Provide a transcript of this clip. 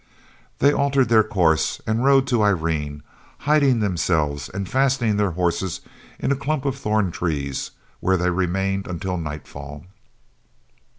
They altered their course and rode to Irene, hiding themselves and fastening their horses in a clump of thorn trees, where they remained until nightfall.